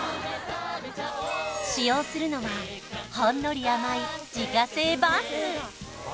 使用するのはほんのり甘い自家製バンズ